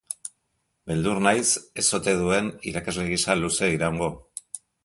Beldur naiz ez ote duen irakasle gisa luze iraungo.